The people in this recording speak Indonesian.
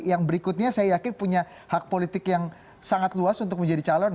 yang berikutnya saya yakin punya hak politik yang sangat luas untuk menjadi calon